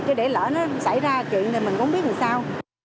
chứ để lỡ nó xảy ra chuyện thì mình cũng không biết làm sao